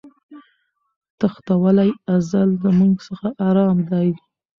تښتولی ازل زموږ څخه آرام دی